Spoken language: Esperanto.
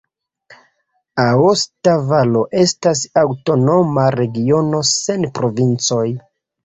Aosta Valo estas aŭtonoma regiono sen provincoj.